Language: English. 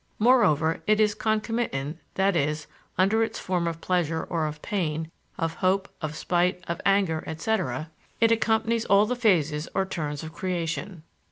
Moreover, it is concomitant, that is, under its form of pleasure or of pain, of hope, of spite, of anger, etc., it accompanies all the phases or turns of creation.